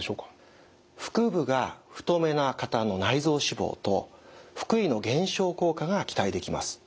腹部が太めな方の内臓脂肪と腹囲の減少効果が期待できます。